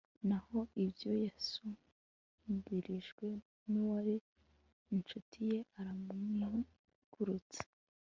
naho iyo yasumbirijwe, n'uwari incuti ye aramwigurutsa